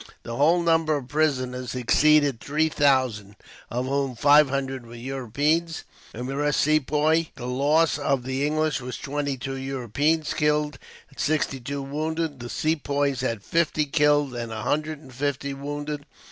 The whole number of prisoners exceeded three thousand, of whom five hundred were Europeans and the rest Sepoys. The loss of the English was twenty two Europeans killed, and sixty two wounded. The Sepoys had fifty killed and a hundred and fifty wounded.